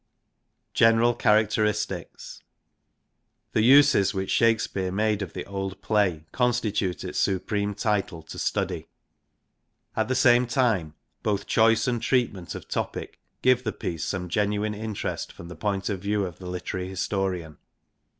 General characteristics. The uses which Shake ] speare made of the old play constitute its supreme title to study. At the same time both choice and treatment of topic give the piece some genuine interest from the point of view of the literary historian.